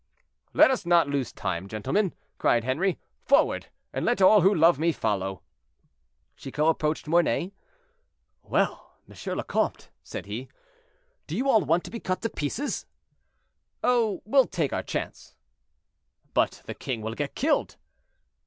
"Let us not lose time, gentlemen," cried Henri. "Forward, and let all who love me follow." Chicot approached Mornay. "Well! M. le Comte," said he, "do you all want to be cut to pieces?" "Oh! we take our chance." "But the king will get killed."